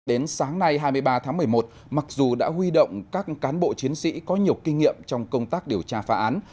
đến sáng nay hai mươi ba tháng một mươi một mặc dù đã huy động các cán bộ chiến sĩ có nhiều kinh nghiệm trong công tác điều tra phá án